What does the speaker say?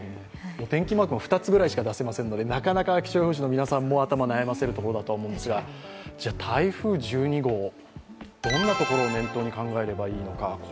お天気マークも２つぐらいしか出せませんのでなかなか気象予報士の皆さんも頭悩ませるところだと思うんですが、台風１２号、どんなところを念頭に考えればいいのか。